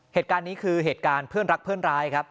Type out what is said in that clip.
เหตุการณ์นี้คือเหตุการณ์เพื่อนรักเพื่อนร้ายครับ